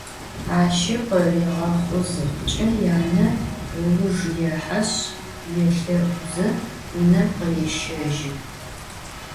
Aşi khıriğexhu zıxhuç'e, yane ıujj yêheşs, yêlhe'uze vunem khırêşejı.